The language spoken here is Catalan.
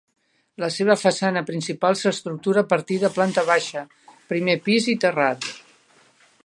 La seva façana principal s'estructura a partir de planta baixa, primer pis i terrat.